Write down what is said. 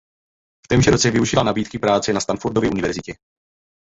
V témže roce využila nabídky práce na Stanfordově univerzitě.